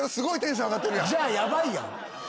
じゃあヤバいやん！